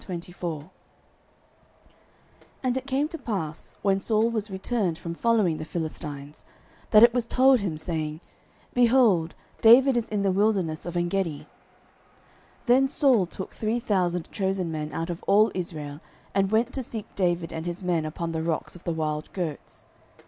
09:024:001 And it came to pass, when Saul was returned from following the Philistines, that it was told him, saying, Behold, David is in the wilderness of Engedi. 09:024:002 Then Saul took three thousand chosen men out of all Israel, and went to seek David and his men upon the rocks of the wild goats.